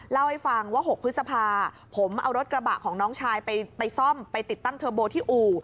เล่าให้ฟังว่า๖พฤษภาผมเอารถกระบะของน้องชายไปซ่อมไปติดตั้งเทอร์โบที่อู่